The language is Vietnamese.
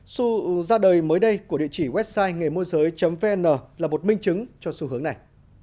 xu ra đời mới đây của địa chỉ website nghềmua vn là một minh chứng cho xu hướng này